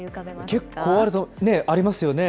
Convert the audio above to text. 結構ありますよね。